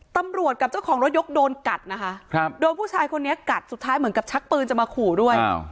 ตำรวจกับเจ้าของรถยกโดนกัดนะคะโดนผู้ชายคนนี้กัดสุดท้ายเหมือนกับชักปืนจะมาขู่ด้วย